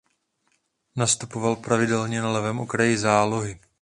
Nastupoval pravidelně na levém okraji zálohy.